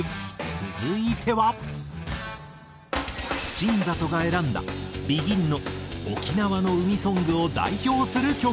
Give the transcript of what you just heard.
新里が選んだＢＥＧＩＮの沖縄の海ソングを代表する曲。